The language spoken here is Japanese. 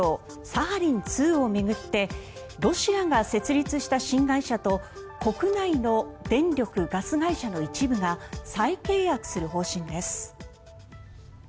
サハリン２を巡ってロシアが設立した新会社と国内の電力・ガス会社の一部が再契約する方針です。